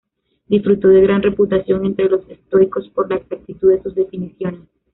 Disfrutó de gran reputación entre los estoicos por la exactitud de sus definiciones.